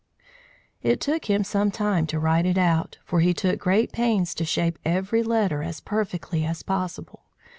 It took him some time to write it out, for he took great pains to shape every letter as perfectly as possible.